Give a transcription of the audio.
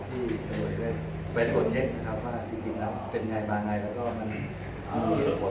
รวมที่มีกลุ่มบุคคลหรือว่ารายชื่อที่เขาสงสัยว่าอาจจะเกี่ยวข้องกับการเข้าจับกลุ่มคันนี้ที่มอบให้เราเลยไหมคะ